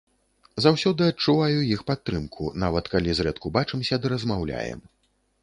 Заўсёды адчуваю іх падтрымку, нават калі зрэдку бачымся ды размаўляем.